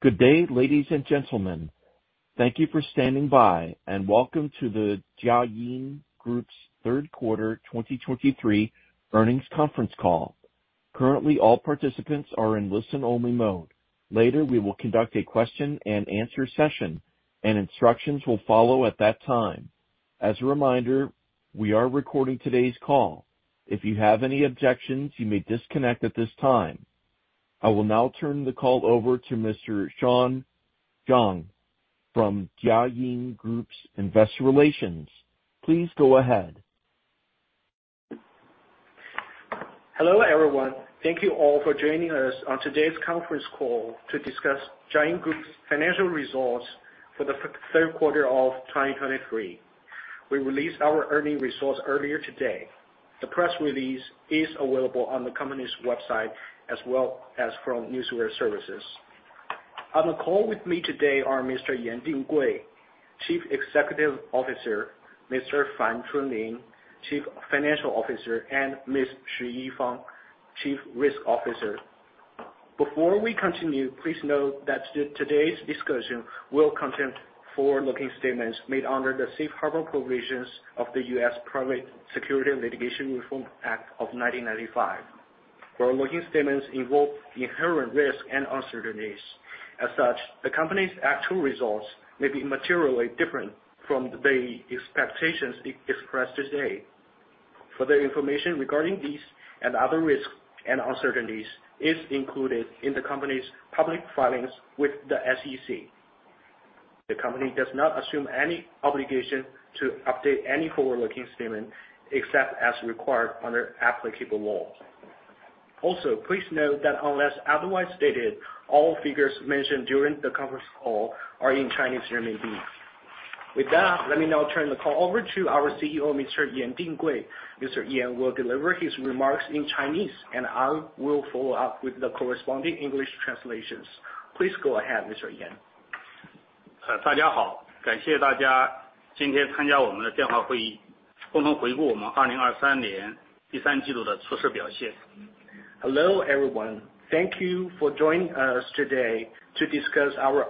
Good day, ladies and gentlemen. Thank you for standing by, and welcome to the Jiayin Group's third quarter 2023 earnings conference call. Currently, all participants are in listen-only mode. Later, we will conduct a question and answer session, and instructions will follow at that time. As a reminder, we are recording today's call. If you have any objections, you may disconnect at this time. I will now turn the call over to Mr. Shawn Zhang from Jiayin Group's Investor Relations. Please go ahead. Hello, everyone. Thank you all for joining us on today's conference call to discuss Jiayin Group's financial results for the third quarter of 2023. We released our earnings results earlier today. The press release is available on the company's website as well as from Newswire Services. On the call with me today are Mr. Dinggui Yan, Chief Executive Officer, Mr. Chunlin Fan, Chief Financial Officer, and Ms. Yifang Xu, Chief Risk Officer. Before we continue, please note that today's discussion will contain forward-looking statements made under the Safe Harbor provisions of the U.S. Private Securities Litigation Reform Act of 1995, forward-looking statements involve inherent risks and uncertainties. As such, the company's actual results may be materially different from the expectations expressed today. Further information regarding these and other risks and uncertainties is included in the company's public filings with the SEC. The company does not assume any obligation to update any forward-looking statement, except as required under applicable law. Also, please note that unless otherwise stated, all figures mentioned during the conference call are in Chinese renminbi. With that, let me now turn the call over to our CEO, Mr. Yan Dinggui. Mr. Yan will deliver his remarks in Chinese, and I will follow up with the corresponding English translations. Please go ahead, Mr. Yan. Hello, everyone. Thank you for joining us today to discuss our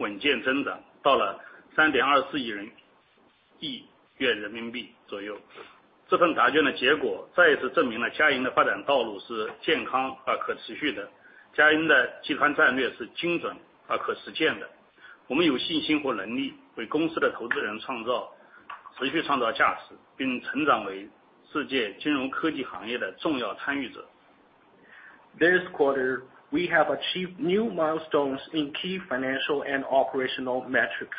outstanding results for the third quarter of 2023. This quarter, we have achieved new milestones in key financial and operational metrics.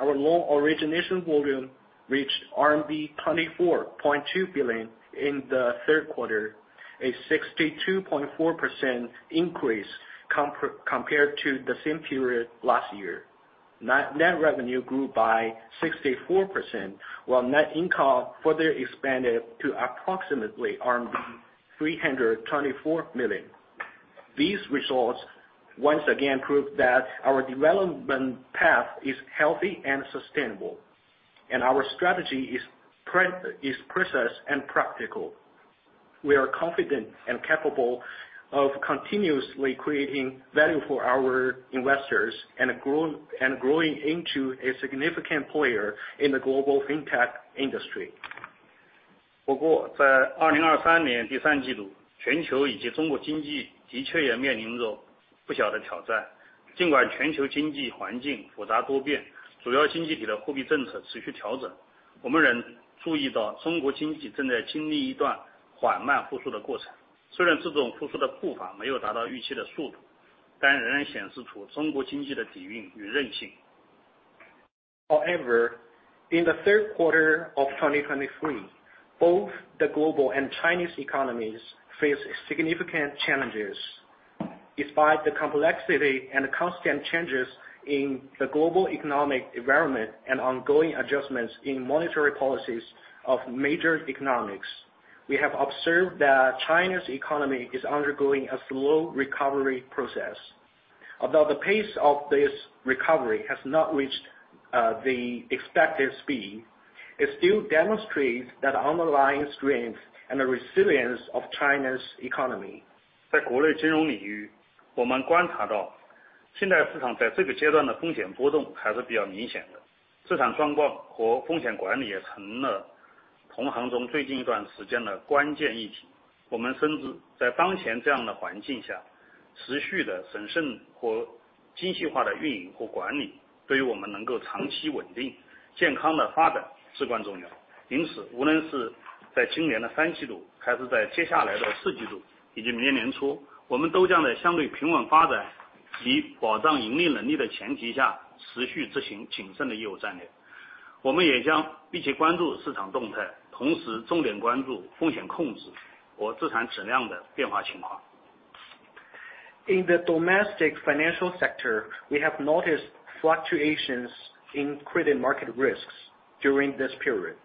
Our loan origination volume reached RMB 24.2 billion in the third quarter, a 62.4% increase compared to the same period last year. Net revenue grew by 64%, while net income further expanded to approximately RMB 324 million. These results once again prove that our development path is healthy and sustainable, and our strategy is precise and practical. We are confident and capable of continuously creating value for our investors and growing into a significant player in the global fintech industry. However, in the third quarter of 2023, both the global and Chinese economies faced significant challenges. Despite the complexity and constant changes in the global economic environment and ongoing adjustments in monetary policies of major economies, we have observed that China's economy is undergoing a slow recovery process. Although the pace of this recovery has not reached the expected speed, it still demonstrates that underlying strength and the resilience of China's economy. In the domestic financial sector, we have noticed fluctuations in credit market risks during this period,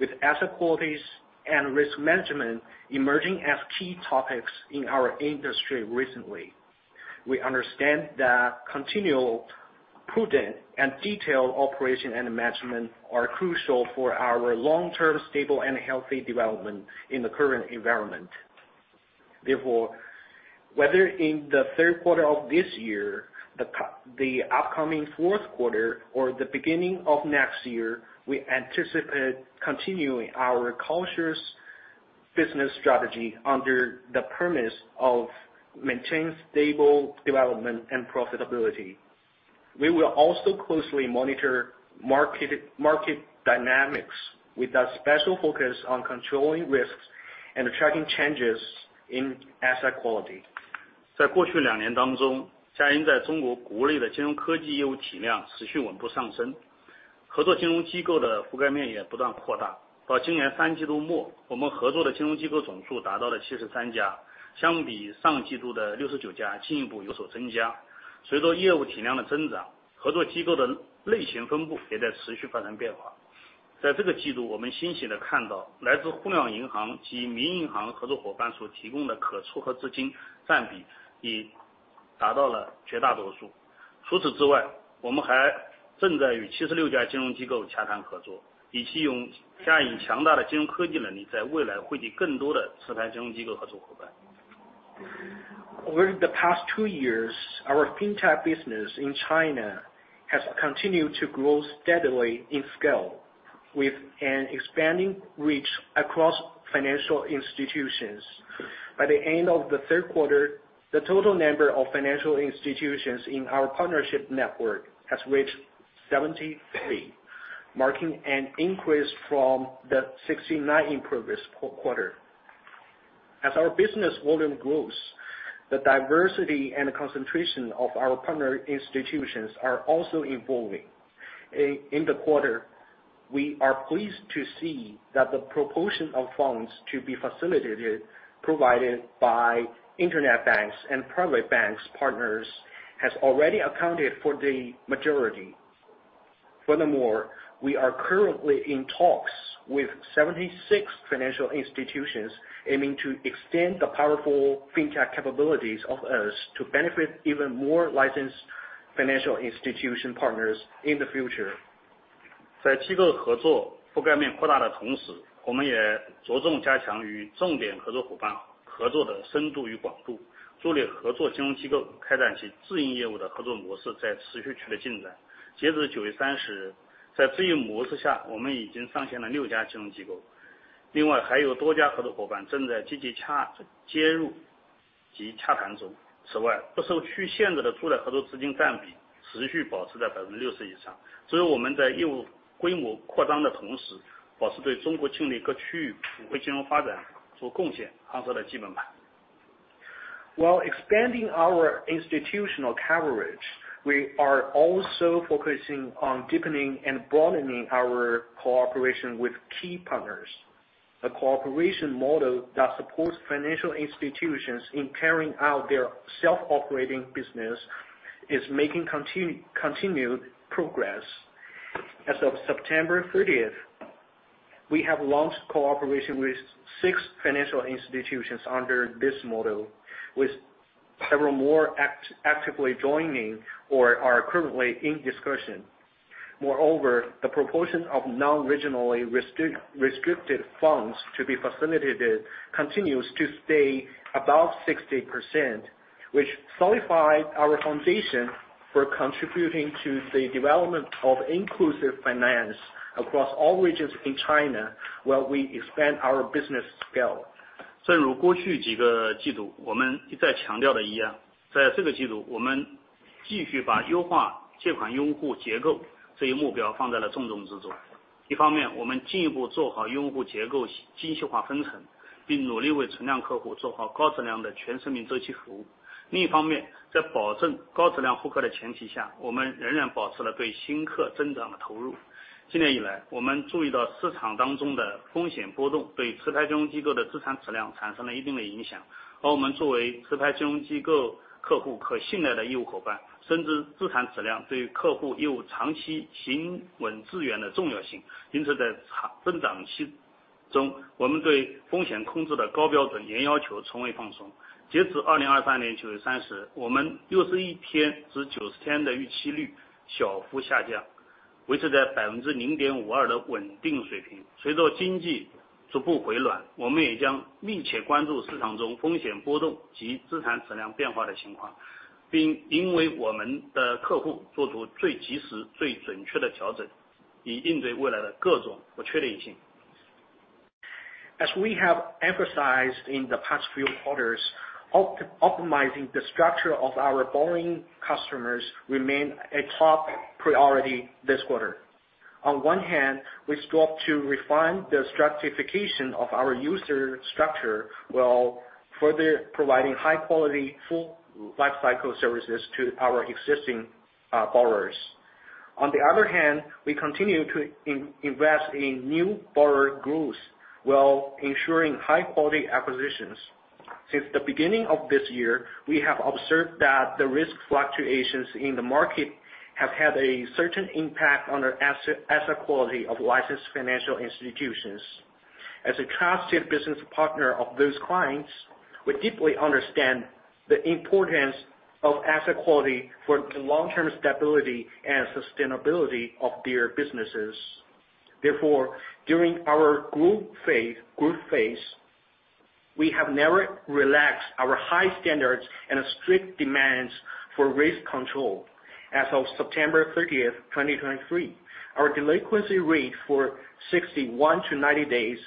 with asset qualities and risk management emerging as key topics in our industry recently. We understand that continual prudent and detailed operation and management are crucial for our long-term stable and healthy development in the current environment. Therefore, whether in the third quarter of this year, the upcoming fourth quarter or the beginning of next year, we anticipate continuing our cautious business strategy under the premise of maintaining stable development and profitability. We will also closely monitor market dynamics, with a special focus on controlling risks and tracking changes in asset quality. Over the past two years, our fintech business in China has continued to grow steadily in scale, with an expanding reach across financial institutions. By the end of the third quarter, the total number of financial institutions in our partnership network has reached 73, marking an increase from the 69 in previous quarter. As our business volume grows, the diversity and concentration of our partner institutions are also evolving. In the quarter, we are pleased to see that the proportion of funds to be facilitated, provided by internet banks and private banks partners, has already accounted for the majority. Furthermore, we are currently in talks with 76 financial institutions, aiming to extend the powerful fintech capabilities of us to benefit even more licensed financial institution partners in the future. While expanding our institutional coverage, we are also focusing on deepening and broadening our cooperation with key partners. A cooperation model that supports financial institutions in carrying out their self-operating business is making continued progress. As of September thirtieth, we have launched cooperation with six financial institutions under this model, with several more actively joining or are currently in discussion. Moreover, the proportion of non-regionally restricted funds to be facilitated continues to stay above 60%, which solidifies our foundation for contributing to the development of inclusive finance across all regions in China while we expand our business scale. As we have emphasized in the past few quarters, optimizing the structure of our borrowing customers remains a top priority this quarter. On one hand, we sought to refine the stratification of our user structure, while further providing high quality, full life cycle services to our existing borrowers. On the other hand, we continue to invest in new borrower groups, while ensuring high quality acquisitions. Since the beginning of this year, we have observed that the risk fluctuations in the market have had a certain impact on our asset quality of licensed financial institutions. As a trusted business partner of those clients, we deeply understand the importance of asset quality for the long-term stability and sustainability of their businesses. Therefore, during our growth phase, we have never relaxed our high standards and strict demands for risk control. As of September 30, 2023, our delinquency rate for 61-90 days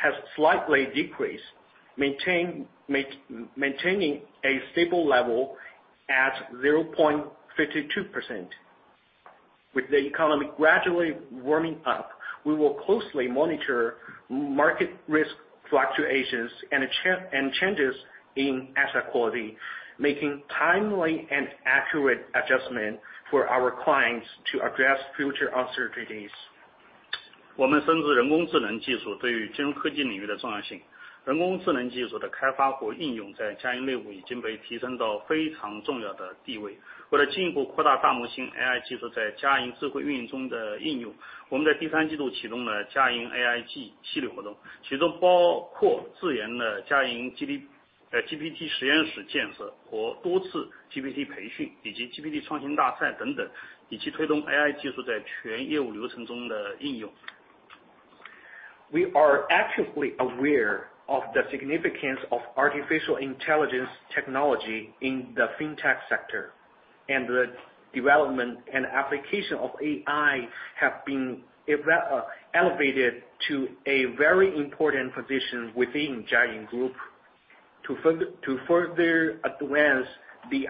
has slightly decreased, maintaining a stable level at 0.52%. With the economy gradually warming up, we will closely monitor market risk fluctuations and changes in asset quality, making timely and accurate adjustment for our clients to address future uncertainties. We are actively aware of the significance of artificial intelligence technology in the fintech sector, and the development and application of AI have been elevated to a very important position within Jiayin Group. To further advance the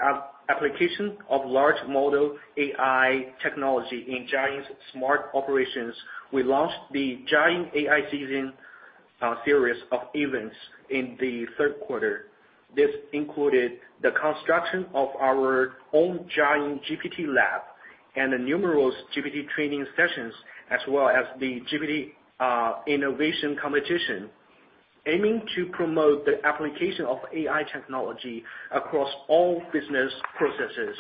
application of large model AI technology in Jiayin's smart operations, we launched the Jiayin AI Season series of events in the third quarter. This included the construction of our own Jiayin GPT Lab and numerous GPT training sessions, as well as the GPT innovation competition, aiming to promote the application of AI technology across all business processes.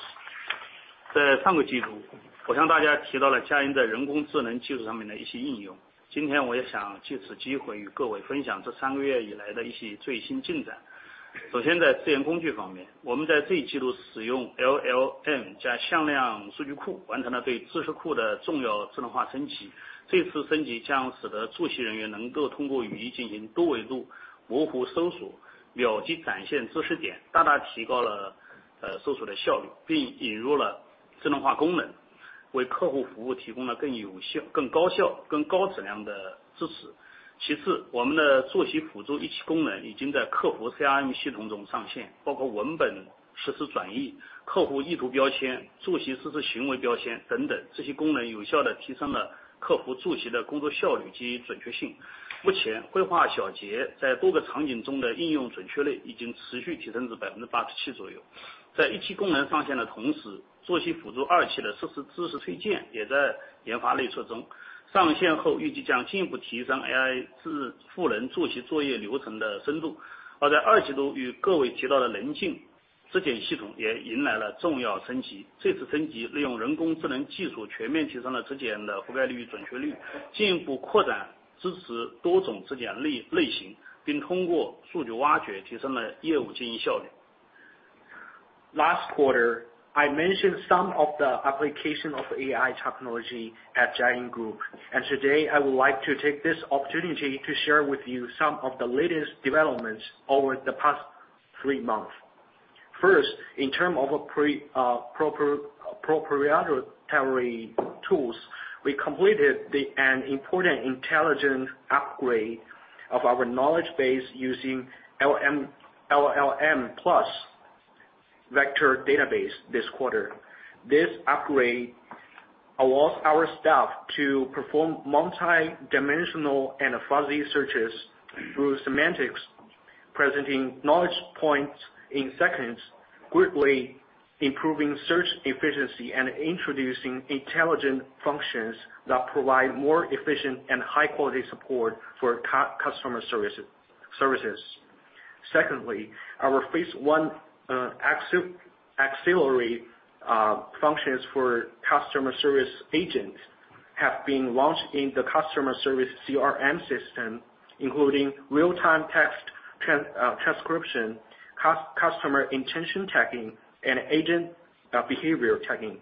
Last quarter, I mentioned some of the application of AI technology at Jiayin Group, and today, I would like to take this opportunity to share with you some of the latest developments over the past three months. First, in terms of proprietary tools, we completed an important intelligent upgrade of our knowledge base using LLM plus vector database this quarter. This upgrade allows our staff to perform multidimensional and fuzzy searches through semantics, presenting knowledge points in seconds, greatly improving search efficiency and introducing intelligent functions that provide more efficient and high-quality support for customer services. Secondly, our phase one auxiliary functions for customer service agents have been launched in the customer service CRM system, including real-time text transcription, customer intention tagging, and agent behavior tagging.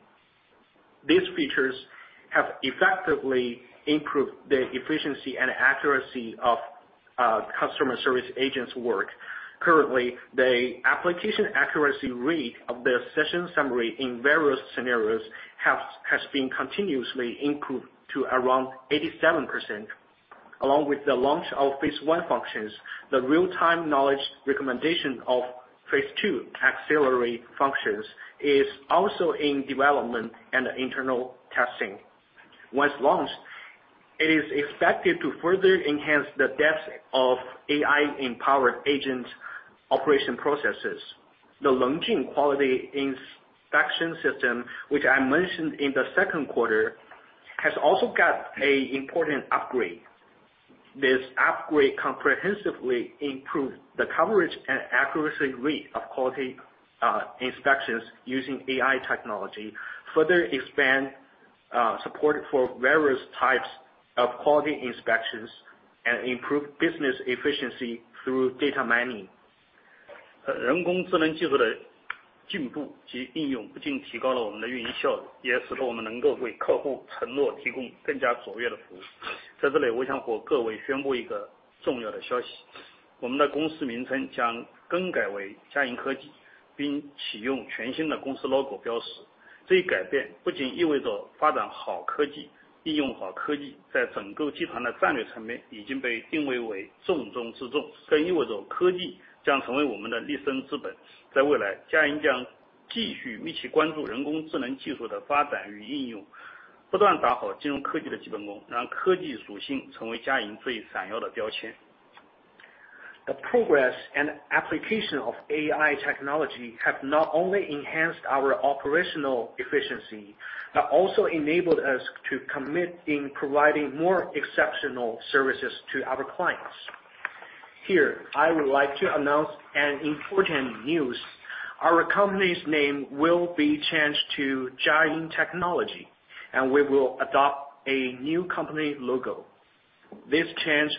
These features have effectively improved the efficiency and accuracy of customer service agents' work. Currently, the application accuracy rate of the session summary in various scenarios has been continuously improved to around 87%. Along with the launch of phase one functions, the real-time knowledge recommendation of phase two auxiliary functions is also in development and internal testing. Once launched, it is expected to further enhance the depth of AI-empowered agent operation processes. The Longyin quality inspection system, which I mentioned in the second quarter, has also got an important upgrade. This upgrade comprehensively improved the coverage and accuracy rate of quality inspections using AI technology, further expand support for various types of quality inspections, and improve business efficiency through data mining. The progress and application of AI technology have not only enhanced our operational efficiency, but also enabled us to commit in providing more exceptional services to our clients. Here, I would like to announce an important news. Our company's name will be changed to Jiayin Technology, and we will adopt a new company logo. This change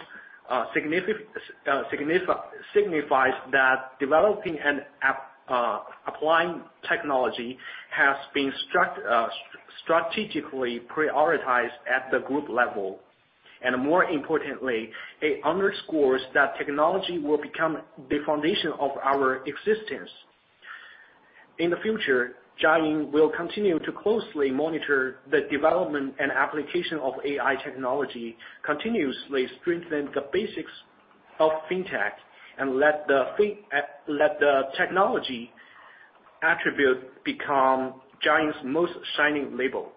signifies that developing and applying technology has been strategically prioritized at the group level, and more importantly, it underscores that technology will become the foundation of our existence. In the future, Jiayin will continue to closely monitor the development and application of AI technology, continuously strengthen the basics of fintech, and let the technology attributes become Jiayin's most shining label.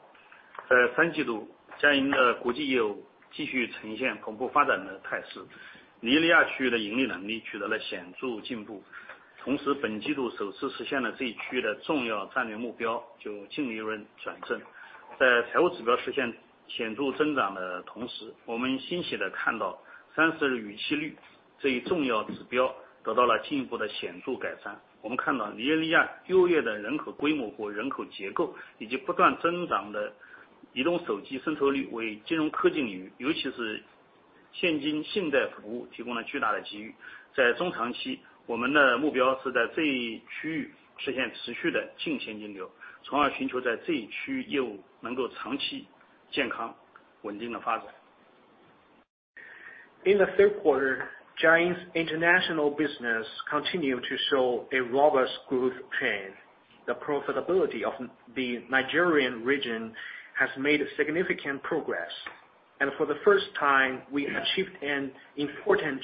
In the third quarter, Jiayin's international business continued to show a robust growth trend. The profitability of the Nigerian region has made significant progress, and for the first time, we achieved an important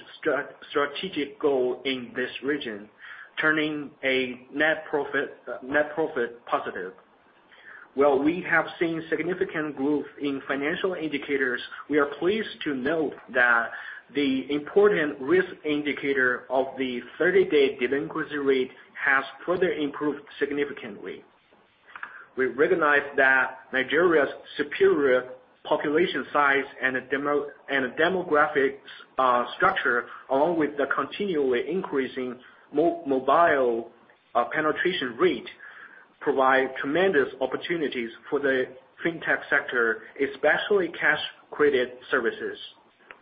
strategic goal in this region, turning a net profit positive. While we have seen significant growth in financial indicators, we are pleased to note that the important risk indicator of the 30-day delinquency rate has further improved significantly. We recognize that Nigeria's superior population size and demographics structure, along with the continually increasing mobile penetration rate, provide tremendous opportunities for the fintech sector, especially cash credit services.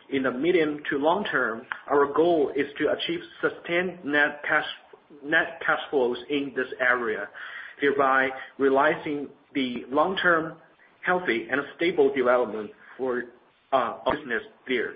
In the medium to long term, our goal is to achieve sustained net cash flows in this area, hereby realizing the long-term, healthy, and stable development for our business there.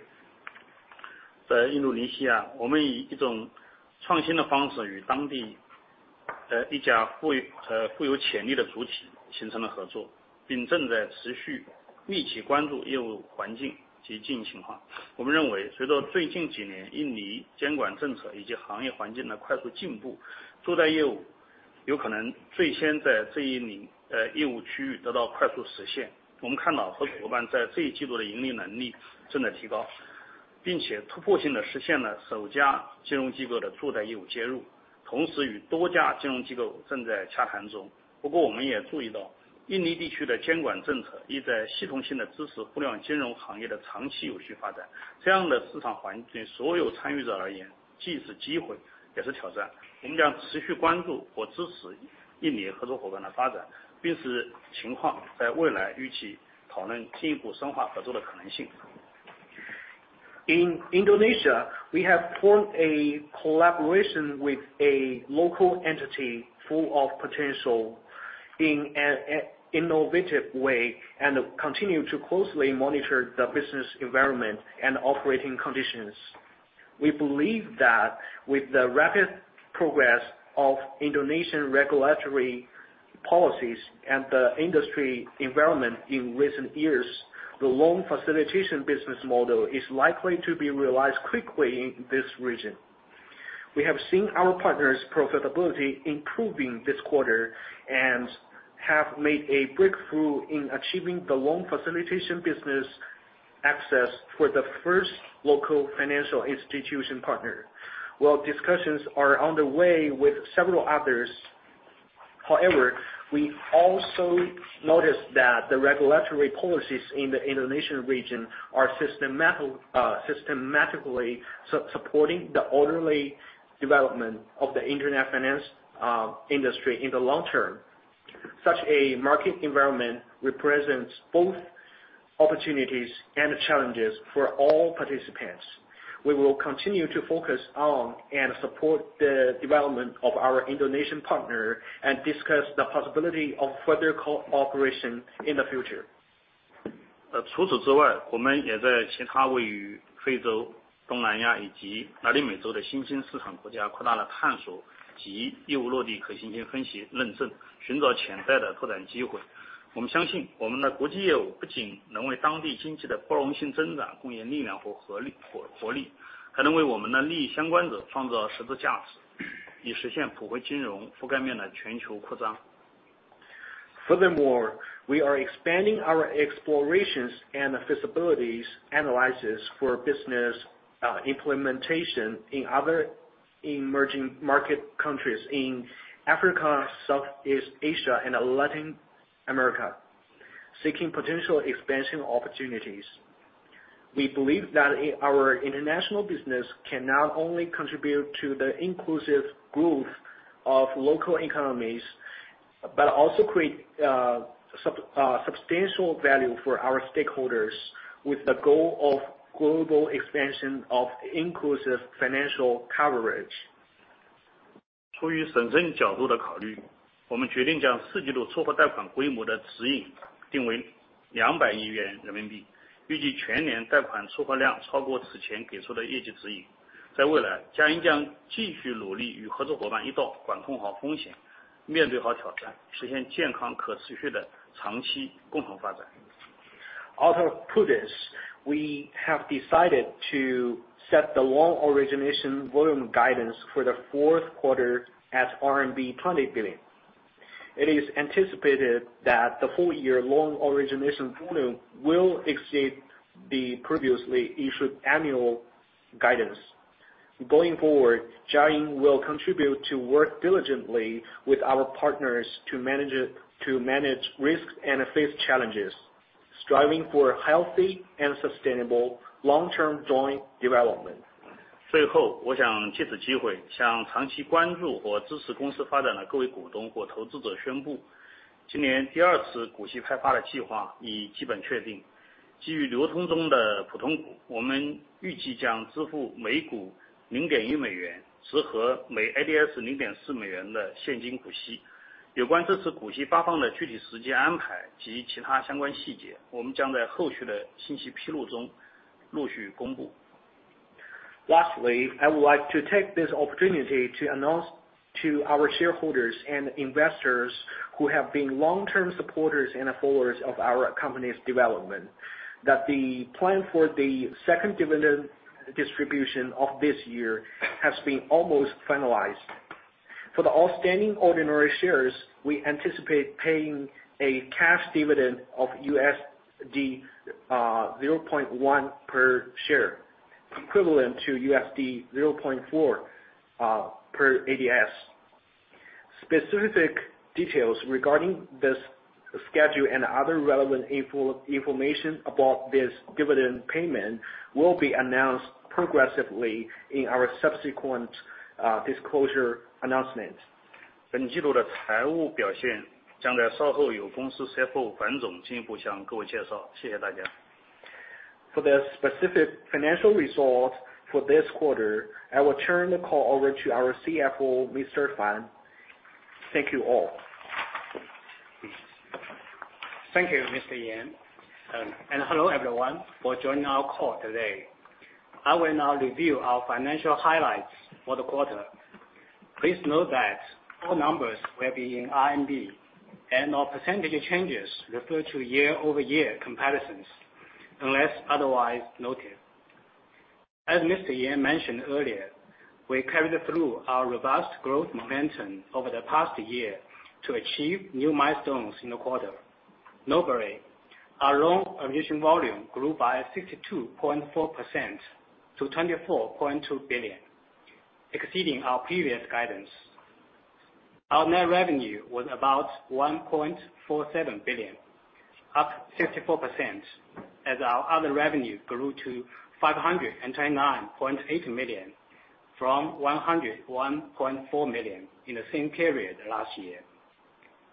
In Indonesia, we have formed a collaboration with a local entity full of potential in an innovative way, and continue to closely monitor the business environment and operating conditions. We believe that with the rapid progress of Indonesian regulatory policies and the industry environment in recent years, the loan facilitation business model is likely to be realized quickly in this region. We have seen our partners' profitability improving this quarter and have made a breakthrough in achieving the loan facilitation business access for the first local financial institution partner, while discussions are underway with several others. However, we also noticed that the regulatory policies in the Indonesian region are systematically supporting the orderly development of the internet finance industry in the long term. Such a market environment represents both opportunities and challenges for all participants. We will continue to focus on and support the development of our Indonesian partner and discuss the possibility of further cooperation in the future. Furthermore, we are expanding our explorations and feasibilities, analysis for business implementation in other emerging market countries in Africa, Southeast Asia, and Latin America, seeking potential expansion opportunities. We believe that our international business can not only contribute to the inclusive growth of local economies, but also create substantial value for our stakeholders, with the goal of global expansion of inclusive financial coverage. Out of prudence, we have decided to set the loan origination volume guidance for the fourth quarter at RMB 20 billion. It is anticipated that the full year loan origination volume will exceed the previously issued annual guidance. Going forward, Jiayin will continue to work diligently with our partners to manage risks and face challenges, striving for healthy and sustainable long-term joint development. Lastly, I would like to take this opportunity to announce to our shareholders and investors who have been long-term supporters and followers of our company's development, that the plan for the second dividend distribution of this year has been almost finalized. For the outstanding ordinary shares, we anticipate paying a cash dividend of $0.1 per share, equivalent to $0.4 per ADS. Specific details regarding this schedule and other relevant information about this dividend payment will be announced progressively in our subsequent disclosure announcement. For the specific financial results for this quarter, I will turn the call over to our CFO, Mr. Fan. Thank you, all. Thank you, Mr. Yan, and hello, everyone, for joining our call today. I will now review our financial highlights for the quarter. Please note that all numbers will be in RMB, and all percentage changes refer to year-over-year comparisons, unless otherwise noted. As Mr. Yan mentioned earlier, we carried through our robust growth momentum over the past year to achieve new milestones in the quarter. Notably, our loan origination volume grew by 62.4% to 24.2 billion, exceeding our previous guidance. Our net revenue was about 1.47 billion, up 54%, as our other revenue grew to 529.8 million, from 101.4 million in the same period last year,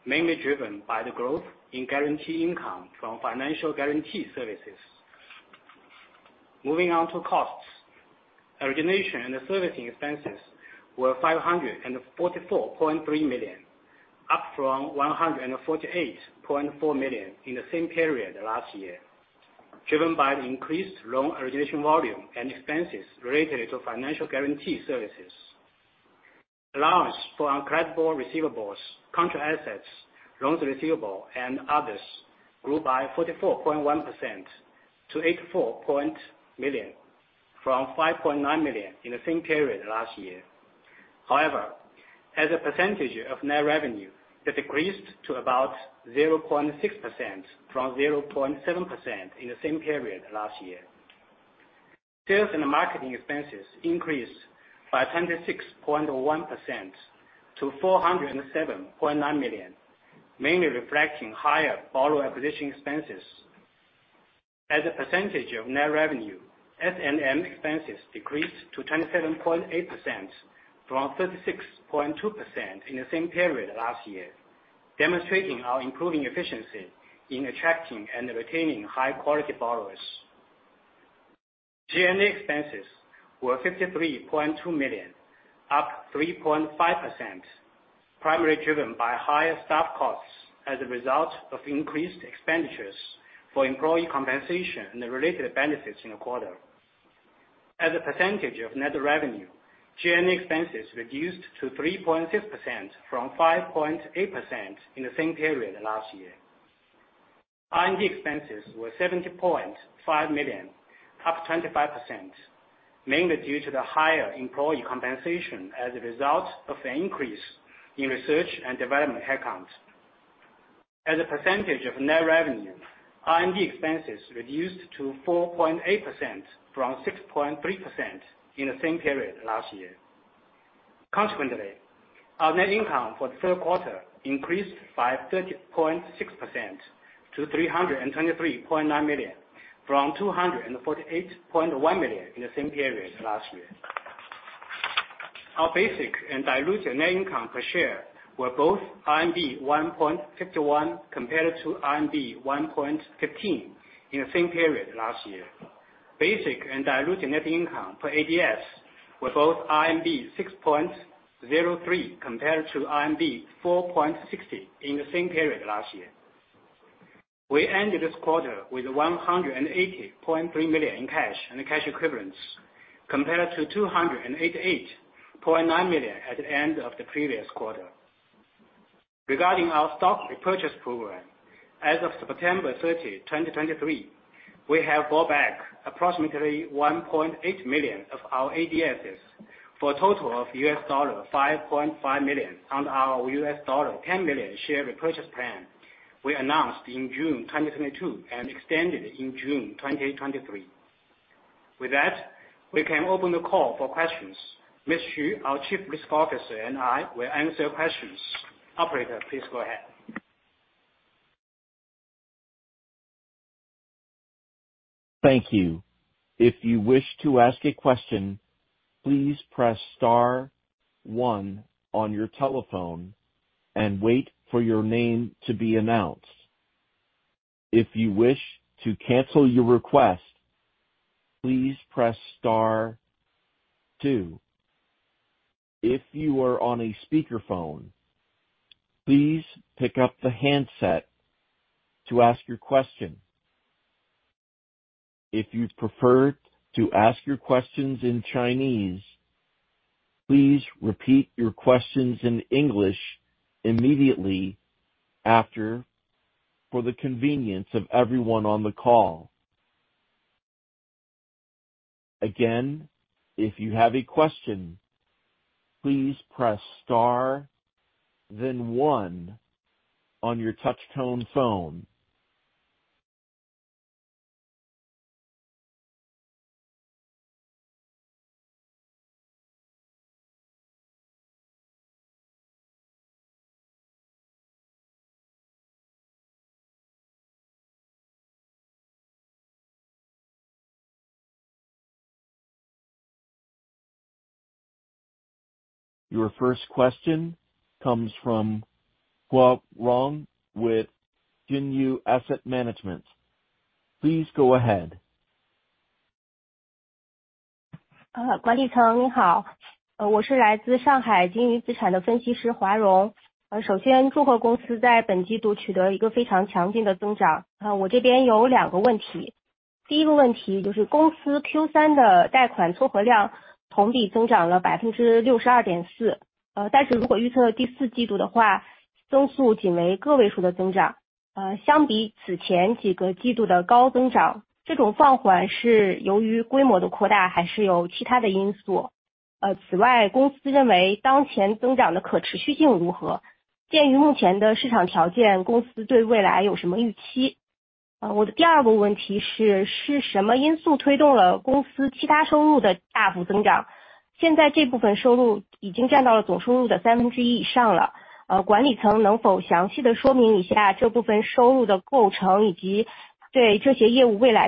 mainly driven by the growth in guarantee income from financial guarantee services. Moving on to costs. Origination and servicing expenses were 544.3 million, up from 148.4 million in the same period last year, driven by the increased loan origination volume and expenses related to financial guarantee services. Allowance for uncollectible receivables, contra assets, loans receivable, and others grew by 44.1% to 8.4 million, from 5.9 million in the same period last year. However, as a percentage of net revenue, it decreased to about 0.6% from 0.7% in the same period last year. Sales and marketing expenses increased by 26.1% to 407.9 million, mainly reflecting higher borrower acquisition expenses. As a percentage of net revenue, S&M expenses decreased to 27.8% from 36.2% in the same period last year, demonstrating our improving efficiency in attracting and retaining high-quality borrowers. G&A expenses were 53.2 million, up 3.5%, primarily driven by higher staff costs as a result of increased expenditures for employee compensation and the related benefits in the quarter. As a percentage of net revenue, G&A expenses reduced to 3.6% from 5.8% in the same period last year. R&D expenses were 70.5 million, up 25%, mainly due to the higher employee compensation as a result of an increase in research and development headcount. As a percentage of net revenue, R&D expenses reduced to 4.8% from 6.3% in the same period last year. Consequently, our net income for the third quarter increased by 30.6% to 323.9 million, from 248.1 million in the same period last year. Our basic and diluted net income per share were both RMB 1.51, compared to RMB 1.15 in the same period last year. Basic and diluted net income per ADS were both RMB 6.03, compared to RMB 4.60 in the same period last year. We ended this quarter with 180.3 million in cash and cash equivalents, compared to 288.9 million at the end of the previous quarter. Regarding our stock repurchase program, as of September 30, 2023, we have bought back approximately 1.8 million of our ADSs for a total of $5.5 million on our $10 million share repurchase plan we announced in June 2022 and extended in June 2023. With that, we can open the call for questions. Ms. Xu, our Chief Risk Officer, and I will answer your questions. Operator, please go ahead. Thank you. If you wish to ask a question, please press star one on your telephone and wait for your name to be announced. If you wish to cancel your request, please press star two. If you are on a speakerphone, please pick up the handset to ask your question. If you'd prefer to ask your questions in Chinese, please repeat your questions in English immediately after, for the convenience of everyone on the call. Again, if you have a question, please press star, then one on your touchtone phone. Your first question comes from Hua Rong with Jinyu Asset Management. Please go ahead. Hello, this is Hua Rong, analyst from Shanghai Jinyu Asset Management. First, congratulations to the company on achieving a very strong growth in this quarter. Good, I have two questions. The first question is, the company's Q3 loan facilitation volume year-over-year increased 62.4%, but if forecasting Q4, the growth rate is only single-digit growth. Compared to the high growth of the previous several quarters, is this slowdown due to scale expansion, or other factors? In addition, how does the company view the sustainability of the current growth? Given the current market conditions, what expectations does the company have for the future? My second question is,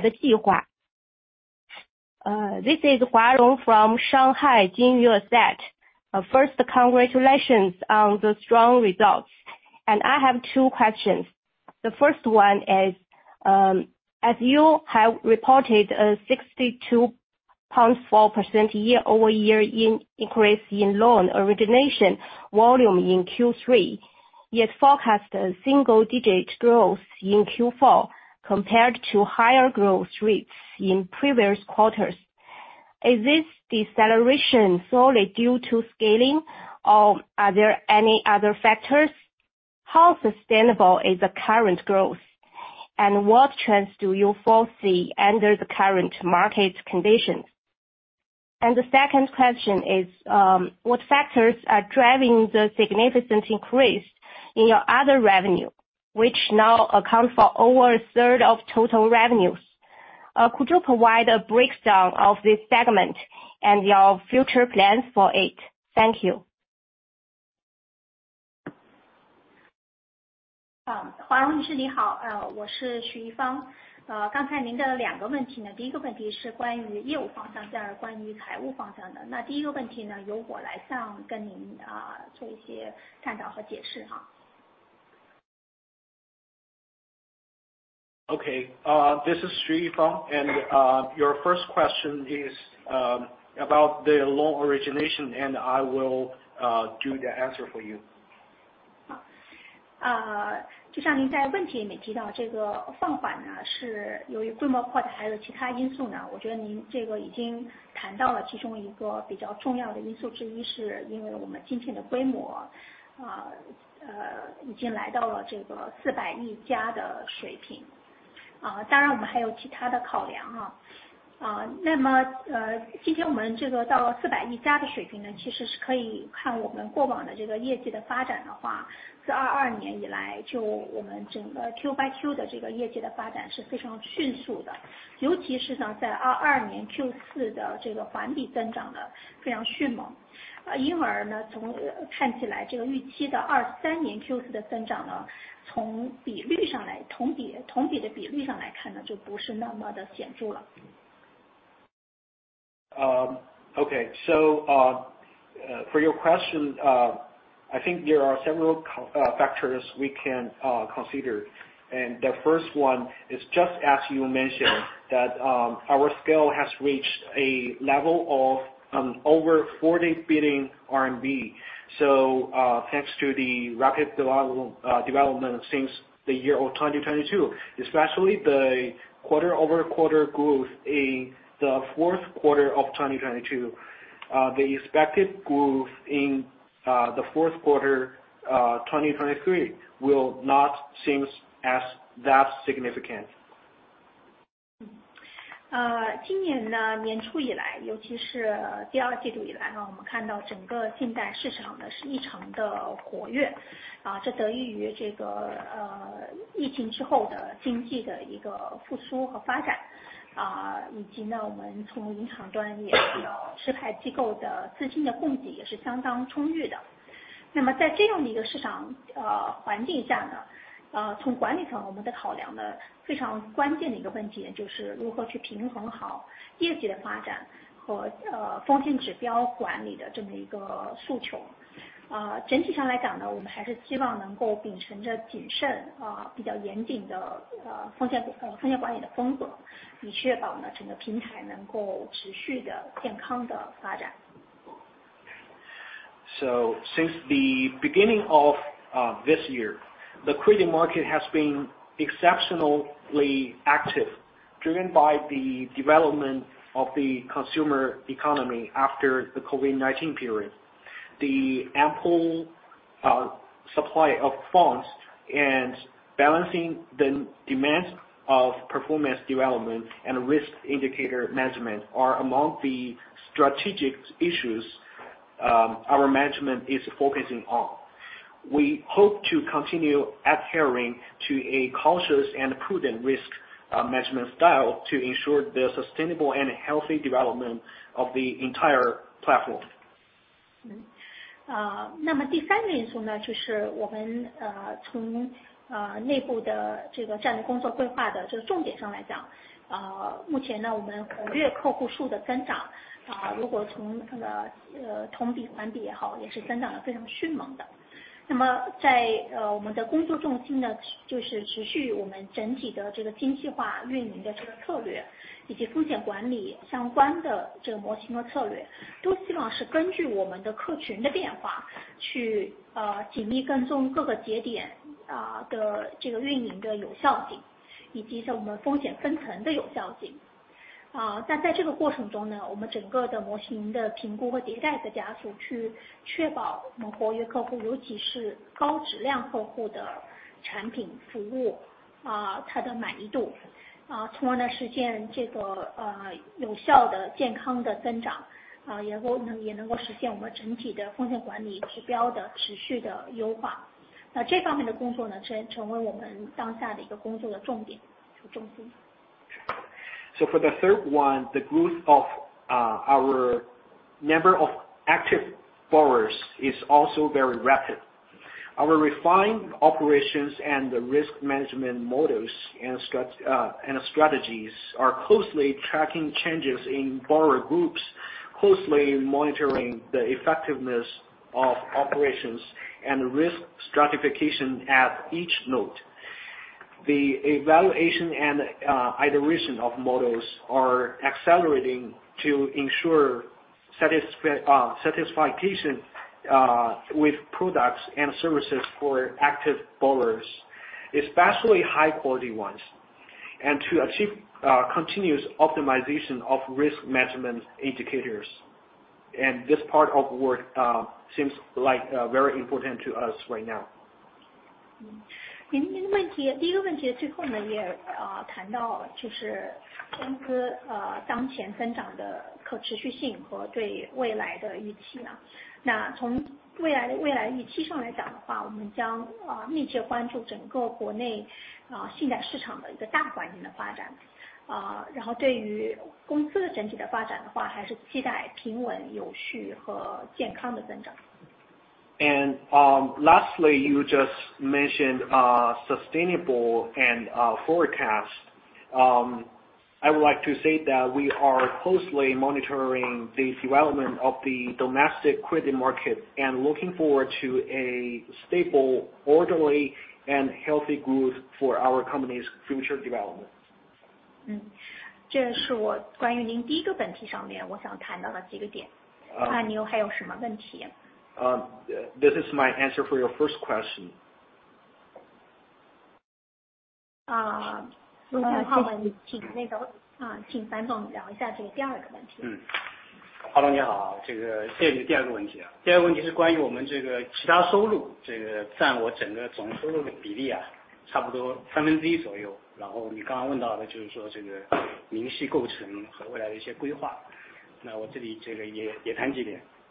what factors drove the significant increase in the company's other income? Now this part of income has already accounted for more than one-third of total income. Can management explain in detail the composition of this part of income, and the plans for these businesses in the future? First, congratulations on the strong results, and I have two questions. The first one is, as you have reported a 62.4% year-over-year increase in loan origination volume in Q3, yet forecast a single digit growth in Q4 compared to higher growth rates in previous quarters. Is this deceleration solely due to scaling, or are there any other factors? How sustainable is the current growth? And what trends do you foresee under the current market conditions? And the second question is, what factors are driving the significant increase in your other revenue, which now account for over a third of total revenues? Could you provide a breakdown of this segment and your future plans for it? Thank you. 华荣女士，你好，我是徐一芳。刚才您两个问题呢，第一个问题是关于业务方向，再关于财务方向的。那第一个问题呢，由我来向跟您，做一些探讨和解释，哈。Okay, this is Xu Yifang, and your first question is about the loan origination, and I will do the answer for you. 好，就像您在问题里提到这个放款呢，是由于规模扩大还有其他因素呢，我觉得您这个已经谈到了，其中一个比较重要的因素之一是因为我们今天的规模，已经来到了这个CNY 400亿加的水平。当然我们还有其他的考量哈。那么，今天我们这个到了CNY 400亿加的水平呢，其实是可以看我们过往的这个业绩的发展的话，自2022年以来，就我们整个Q by Q的这个业绩的发展是非常迅速的，尤其是呢在2022年Q4的这个环比增长得非常迅猛。因而呢，从看起来，这个预期的2023年Q4的增长呢，从比率上来，同比，同比的比率上来看呢，就不是那么的显著了。Okay, so, for your question, I think there are several factors we can consider. And the first one is just as you mentioned, that, our scale has reached a level of, over 40 billion RMB. So, thanks to the rapid development since the year of 2022, especially the quarter-over-quarter growth in the fourth quarter of 2022. The expected growth in, the fourth quarter, 2023, will not seems as that significant. So since the beginning of this year, the credit market has been exceptionally active, driven by the development of the consumer economy after the COVID-19 period. The ample supply of funds and balancing the demand of performance development and risk indicator management are among the strategic issues our management is focusing on. We hope to continue adhering to a cautious and prudent risk management style to ensure the sustainable and healthy development of the entire platform. So for the third one, the growth of our number of active borrowers is also very rapid. Our refined operations and risk management models and strategies are closely tracking changes in borrower groups, closely monitoring the effectiveness of operations and risk stratification at each node. The evaluation and iteration of models are accelerating to ensure satisfaction with products and services for active borrowers, especially high quality ones. And to achieve continuous optimization of risk measurement indicators. And this part of work seems like very important to us right now. Lastly, you just mentioned sustainable and forecast. I would like to say that we are closely monitoring the development of the domestic credit market and looking forward to a stable, orderly, and healthy growth for our company's future development. 这是我关于您第一个问题上面，我想谈到的几个点。Uh. 看你还有什么问题。This is my answer for your first question.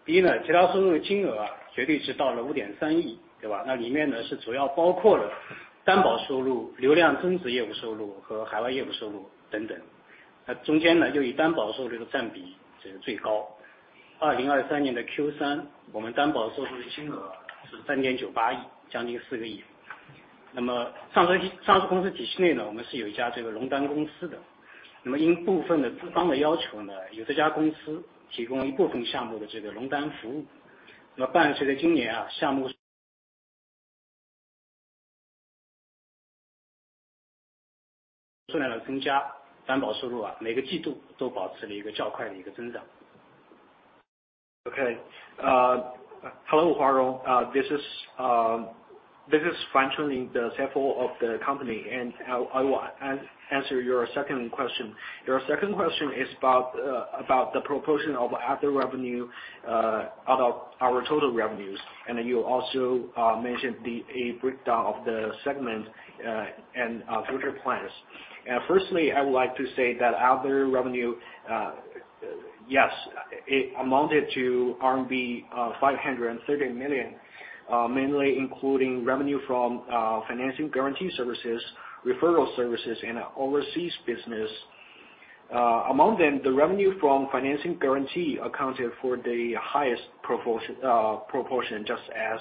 那，我们请樊总聊一下这个第二个问题。Fan Chunlin, the CFO of the company, and I will answer your second question. Your second question is about the proportion of other revenue out of our total revenues. And you also mentioned a breakdown of the segment and future plans. And firstly, I would like to say that other revenue, yes, it amounted to RMB 530 million, mainly including revenue from financing guarantee services, referral services, and overseas business. Among them, the revenue from financing guarantee accounted for the highest proportion, just as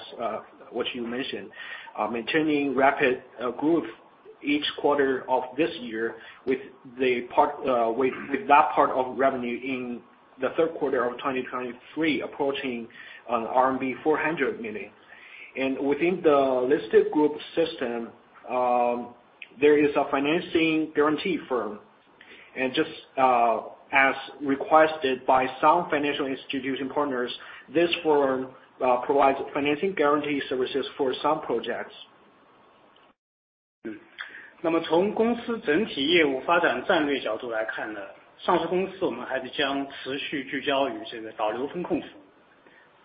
what you mentioned. Maintaining rapid growth each quarter of this year, with that part of revenue in the third quarter of 2023 approaching RMB 400 million. Within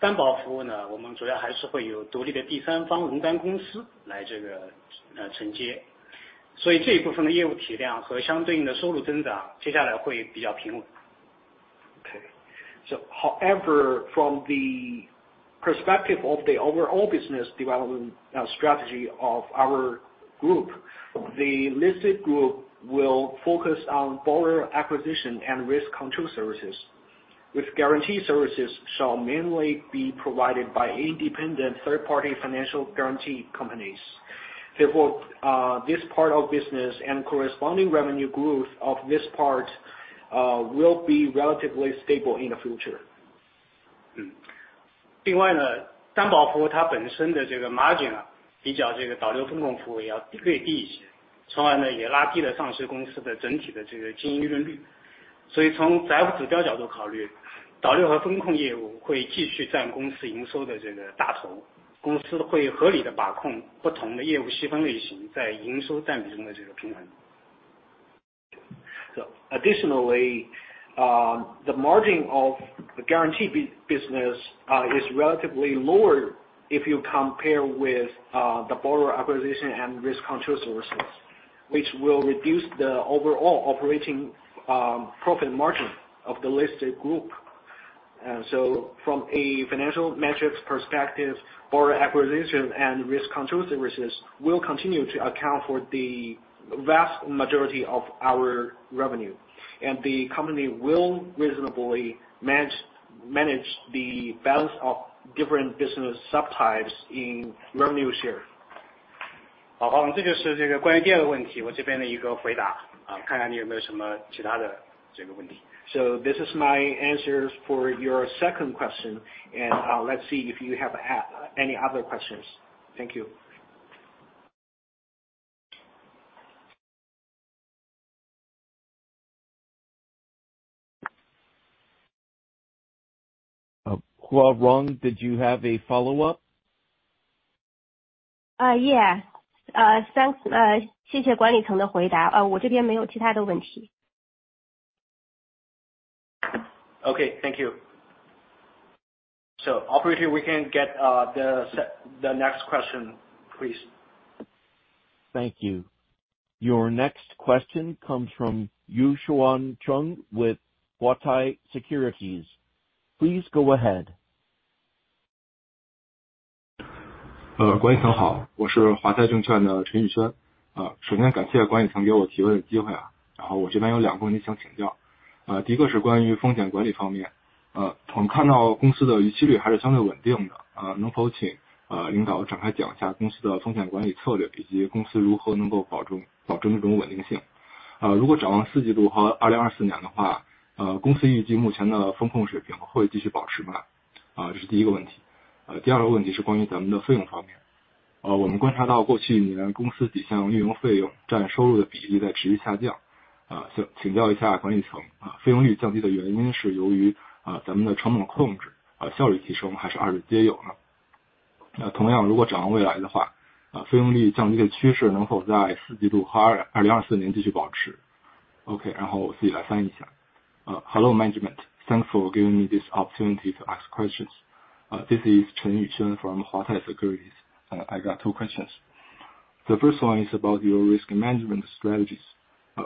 the listed group system, there is a financing guarantee firm. Just as requested by some financial institution partners, this firm provides financing guarantee services for some projects. 那么从公司整体业务发展战略角度来看呢，上市公司我们还将继续聚焦于这个导流风控服务。担保服务呢，我们主要还是会有独立的第三方融担公司来这个，承接。所以这部分的业务体量和相应的收入增长，接下来会比较平稳。Okay. However, from the perspective of the overall business development, strategy of our group, the listed group will focus on borrower acquisition and risk control services, with guarantee services shall mainly be provided by independent third-party financial guarantee companies. Therefore, this part of business and corresponding revenue growth of this part, will be relatively stable in the future. 另外呢，担保服务它本身的这个margin啊，比较这个导流风控服务也要略低一些，从而呢，也拉低了上市公司的整体的这个经营利润率。所以从财务指标角度考虑，导流和风控业务会继续占公司营收的这个大头，公司会合理地把控不同的业务细分类型，在营收占比中的这个平衡。So additionally, the margin of the guarantee business is relatively lower if you compare with the borrower acquisition and risk control services, which will reduce the overall operating profit margin of the listed group. So from a financial metrics perspective, borrower acquisition and risk control services will continue to account for the vast majority of our revenue, and the company will reasonably manage the balance of different business subtypes in revenue share. 好，这就是这个关于第二个问题，我这边的一个回答，啊看看你有没有什么其他的问题。So this is my answers for your second question, and let's see if you have any other questions. Thank you!... Hua Rong, did you have a follow-up? Yeah. Thanks, 谢谢管理层的回答，我这边没有其他的问题。Okay, thank you. So operator, we can get the next question, please. Thank you. Your next question comes from Yuxuan Cheng with Huatai Securities. Please go ahead. Hello, management. I am Yuxuan Cheng from Huatai Securities. First, thank you, management, for giving me the opportunity to ask questions. Then, I have two questions I want to ask. The first one is about risk management. We see that the company's delinquency rate is still relatively stable. Could you please, leadership, elaborate on the company's risk management strategy, and how the company can guarantee this stability? If looking forward to the fourth quarter and 2024, does the company expect the current risk control level to continue to be maintained? That is the first question. The second question is about our expenses. We observed that over the past year, the company's several operating expenses as a proportion of revenue have been continuously declining. I want to ask the management, is the reason for the expense rate decrease due to our cost control, efficiency improvement, or both? Then similarly, if looking forward to the future, can the trend of expense rate decrease continue to be maintained in the fourth quarter and 2024? Okay, then I will translate it myself. Hello, management. Thanks for giving me this opportunity to ask questions. This is Yuxuan Cheng from Huatai Securities. I got two questions. The first one is about your risk management strategies.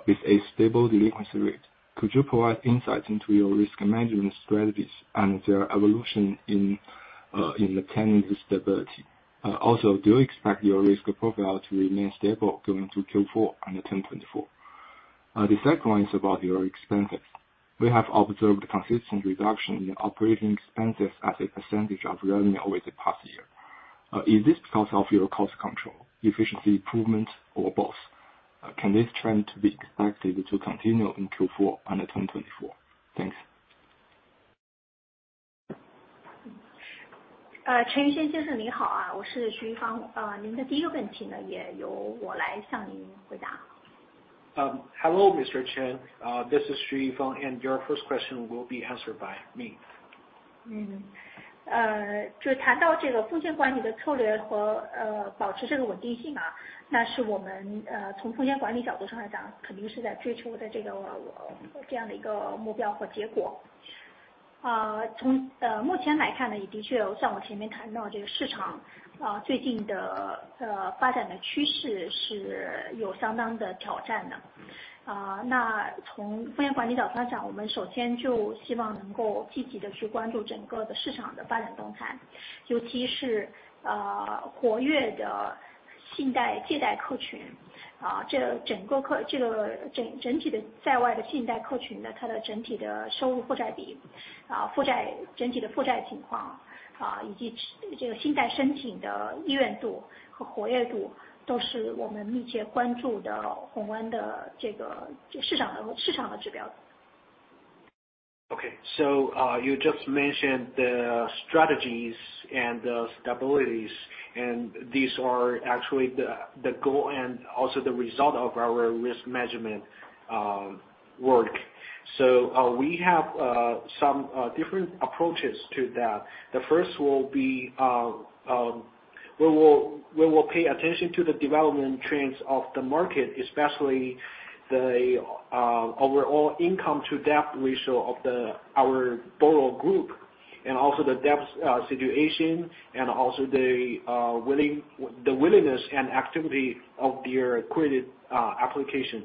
With a stable delinquency rate, could you provide insight into your risk management strategies and their evolution in maintaining this stability? Also, do you expect your risk profile to remain stable going through Q4 and 2024? The second one is about your expenses. We have observed a consistent reduction in operating expenses as a percentage of revenue over the past year. Is this because of your cost control, efficiency improvement, or both? Can this trend be expected to continue in Q4 and 2024? Thanks. 陈玉轩先生，你好啊，我是徐一方。您的第一个问题呢，也由我来向您回答。Hello, Mr. Chen. This is Xu Yifang, and your first question will be answered by me. Okay. So, you just mentioned the strategies and the stabilities, and these are actually the goal and also the result of our risk management work. So, we have some different approaches to that. The first will be, we will pay attention to the development trends of the market, especially the overall income to debt ratio of our borrower group, and also the debt situation, and also the willingness and activity of their credit application.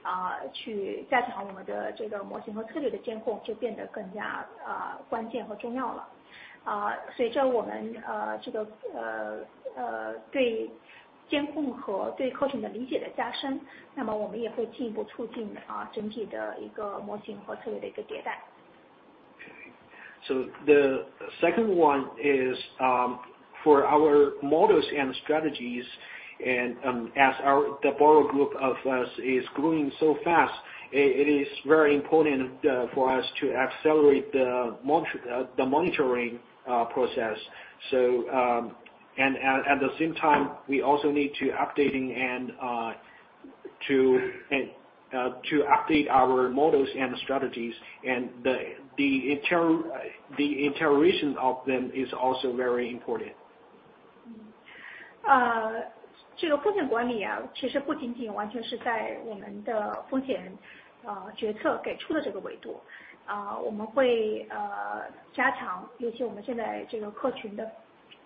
那么，从风险的模型呢，和风险的策略呢，会在目前的话，我们会进一步加强监控。尤其是前面提到，到我们的这个客群的增长非常迅猛的前提下，去加强我们的这个模型和策略的监控，就变得更加，关键和重要了。随着我们，这个，对监控和对客群的理解的加深，那么我们也会进一步促进，整体的模型和策略的一个迭代。So the second one is for our models and strategies, and as our borrower group of us is growing so fast, it is very important for us to accelerate the monitoring process. So, at the same time, we also need to updating and to update our models and strategies, and the iteration of them is also very important.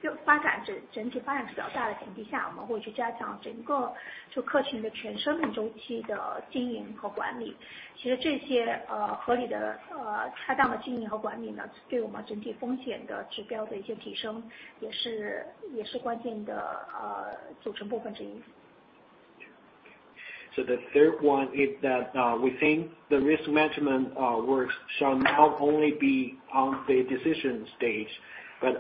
So the third one is that we think the risk management work shall not only be on the decision stage, but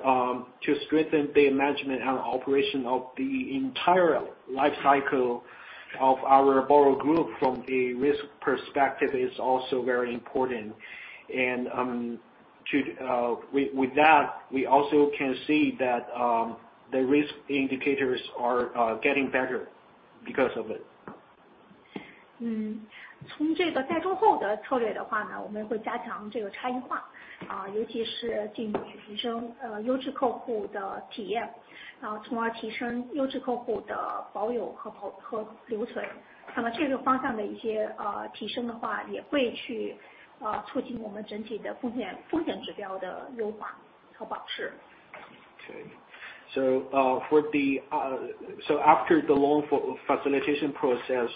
to strengthen the management and operation of the entire life cycle of our borrow group from a risk perspective is also very important. And with that, we also can see that the risk indicators are getting better because of it. Um, So after the loan facilitation process,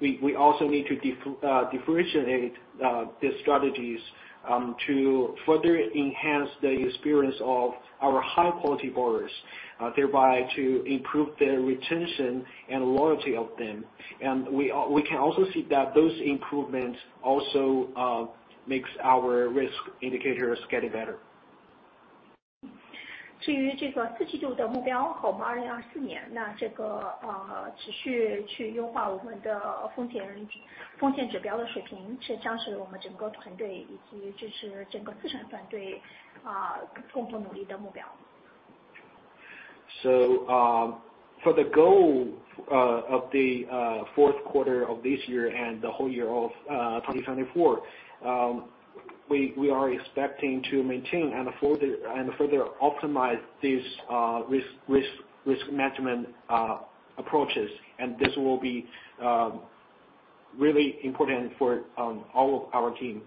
we also need to differentiate the strategies to further enhance the experience of our high-quality borrowers, thereby to improve their retention and loyalty of them. And we can also see that those improvements also makes our risk indicators getting better. So for the goal of the fourth quarter of this year and the whole year of 2024, we are expecting to maintain and further optimize these risk management approaches, and this will be really important for all of our team.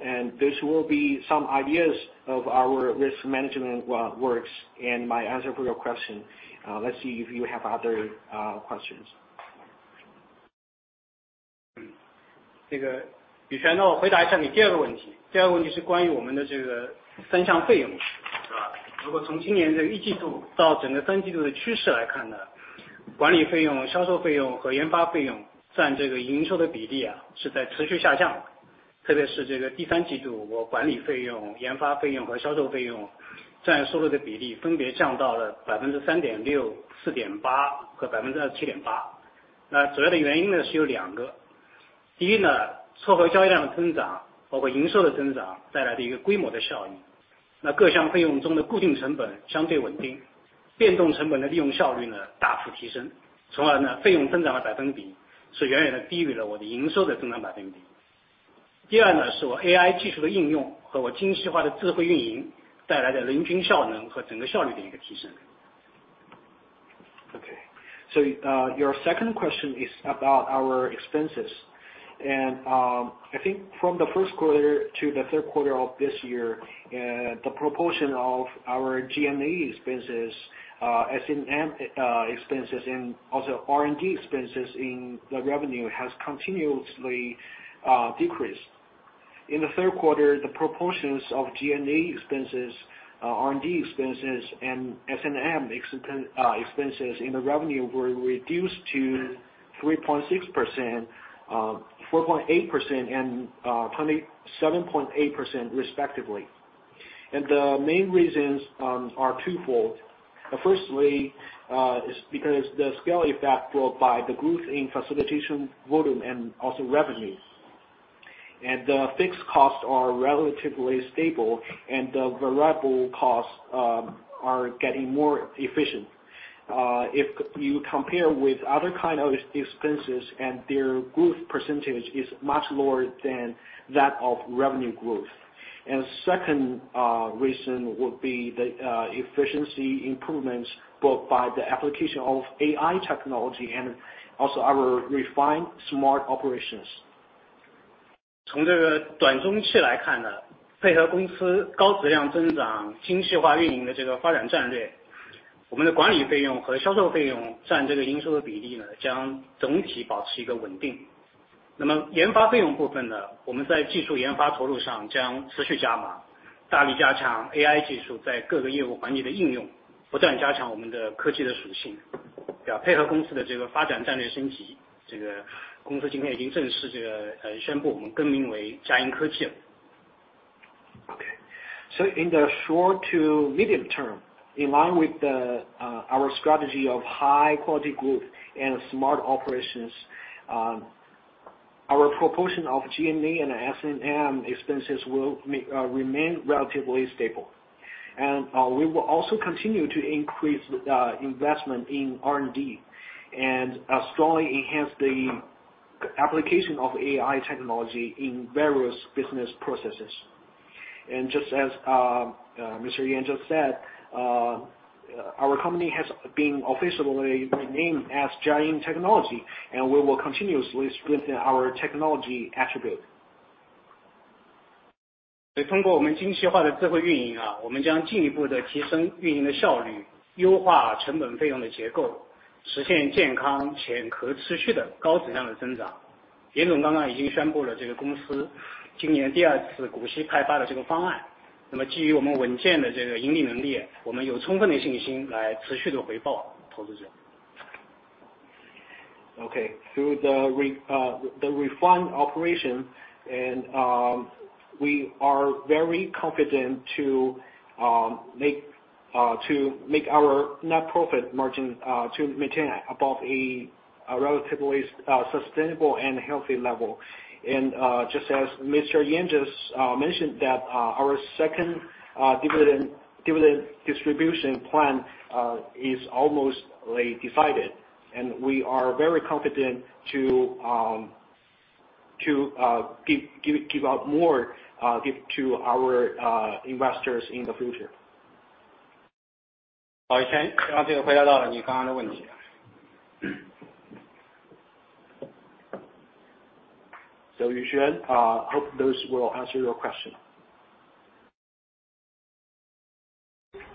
And this will be some ideas of our risk management works, and my answer for your question. Let's see if you have other questions. Okay. So, your second question is about our expenses. I think from the first quarter to the third quarter of this year, the proportion of our G&A expenses, S&M expenses and also R&D expenses in the revenue has continuously decreased. In the third quarter, the proportions of G&A expenses, R&D expenses, and S&M expenses in the revenue were reduced to 3.6%, 4.8% and 27.8% respectively. The main reasons are twofold. Firstly, is because the scale effect brought by the growth in facilitation volume and also revenues, and the fixed costs are relatively stable and the variable costs are getting more efficient. If you compare with other kind of expenses and their growth percentage is much lower than that of revenue growth. Second, reason would be the efficiency improvements brought by the application of AI technology and also our refined smart operations. Okay. So in the short to medium term, in line with our strategy of high quality growth and smart operations, our proportion of G&A and S&M expenses will remain relatively stable. And, we will also continue to increase investment in R&D and strongly enhance the application of AI technology in various business processes. And just as Mr. Yan just said, our company has been officially renamed as Jiayin Technology, and we will continuously strengthen our technology attribute. Okay. Through the refined operation and, we are very confident to make our net profit margin to maintain above a relatively sustainable and healthy level. Just as Mr. Yan just mentioned, our second dividend distribution plan is almost really decided, and we are very confident to give out more to our investors in the future. So Yuxuan, hope those will answer your question.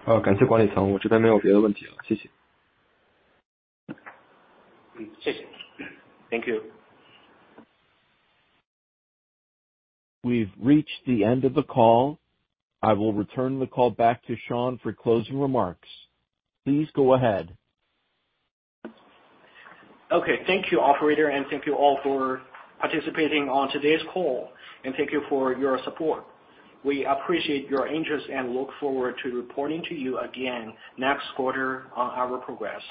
Uh, Thank you. We've reached the end of the call. I will return the call back to Sean for closing remarks. Please go ahead. Okay. Thank you, operator, and thank you all for participating on today's call, and thank you for your support. We appreciate your interest and look forward to reporting to you again next quarter on our progress.